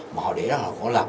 mà họ để đó họ lật